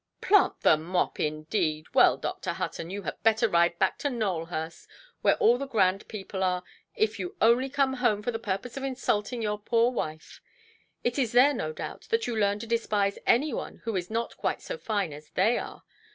"Plant the mop, indeed! Well, Dr. Hutton, you had better ride back to Nowelhurst, where all the grand people are, if you only come home for the purpose of insulting your poor wife. It is there, no doubt, that you learn to despise any one who is not quite so fine as they are.